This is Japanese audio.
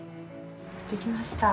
できました。